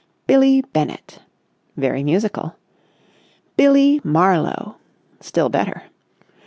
"Billie Bennett." Very musical. "Billie Marlowe." Still better.